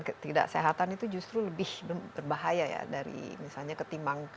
ketidaksehatan itu justru lebih berbahaya ya dari misalnya ketimbang